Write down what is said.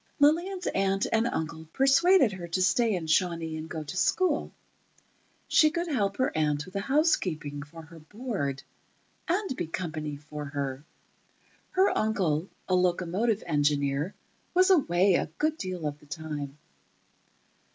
Lillian's aunt and uncle persuaded her to stay in Shawnee and go to school. She could help her aunt with the housekeeping, for her board, and be company for her. Her uncle, a locomotive engineer, was away a good deal of the time.